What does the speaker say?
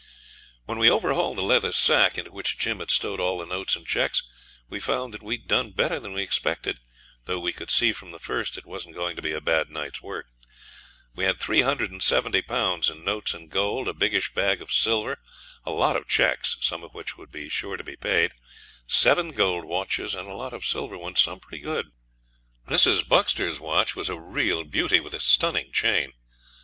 When we overhauled the leather sack into which Jim had stowed all the notes and cheques we found that we'd done better than we expected, though we could see from the first it wasn't going to be a bad night's work. We had 370 Pounds in notes and gold, a biggish bag of silver, a lot of cheques some of which would be sure to be paid seven gold watches and a lot of silver ones, some pretty good. Mrs. Buxter's watch was a real beauty, with a stunning chain.